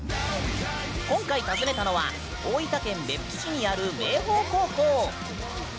今回、訪ねたのは大分県別府市にある明豊高校。